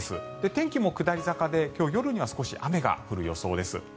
天気も下り坂で夜には雨も降る予想です。